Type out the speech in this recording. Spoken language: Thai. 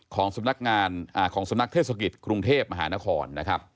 ของสำนักเทศกิจกรุงเทพมหานคร